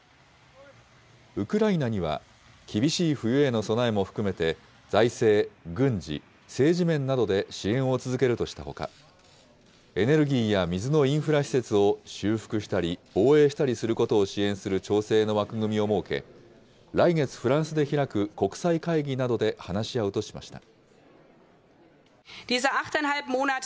ウクライナには、厳しい冬への備えも含めて、財政、軍事、政治面などで支援を続けるとしたほか、エネルギーや水のインフラ施設を修復したり、防衛したりすることを支援する調整の枠組みを設け、来月、フランスで開く国際会議などで話し合うとしました。